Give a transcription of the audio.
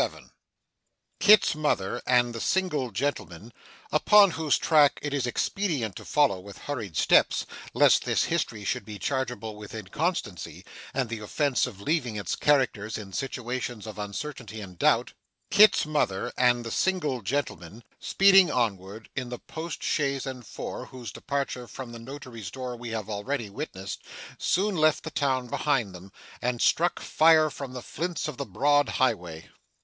CHAPTER 47 Kit's mother and the single gentleman upon whose track it is expedient to follow with hurried steps, lest this history should be chargeable with inconstancy, and the offence of leaving its characters in situations of uncertainty and doubt Kit's mother and the single gentleman, speeding onward in the post chaise and four whose departure from the Notary's door we have already witnessed, soon left the town behind them, and struck fire from the flints of the broad highway.